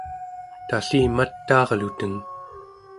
tallimataarlutenng